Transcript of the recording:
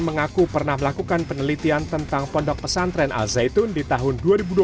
mengaku pernah melakukan penelitian tentang pondok pesantren al zaitun di tahun dua ribu dua puluh